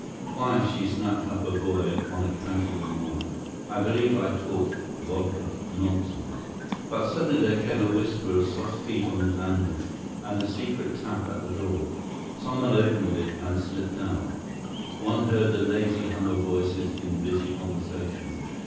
Twice she snapped up her boy on a casual remark. I believe I talked vodka'd nonsense.... But suddenly there came a whisper of soft feet on the landing, and a secret tap at the door. Some one opened it, and slipped out. One heard the lazy hum of voices in busy conversation.